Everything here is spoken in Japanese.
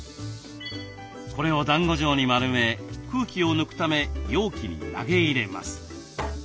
これをだんご状に丸め空気を抜くため容器に投げ入れます。